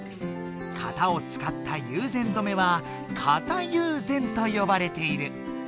型を使った友禅染は「型友禅」とよばれている。